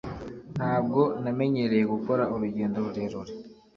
Ntabwo namenyereye gukora urugendo rurerure